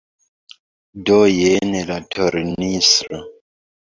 Do jen la tornistro.